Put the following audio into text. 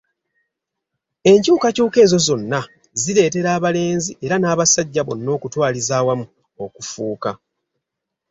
Enkyukakyuka ezo zonna zireetera abalenzi era n'abasajja bonna okutwaliza awamu okufuuka.